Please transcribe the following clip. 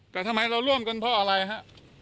แต่ทำไมเราร่วมกันเพราะอะไรฮะ